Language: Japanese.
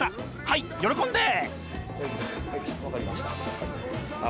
はい喜んで！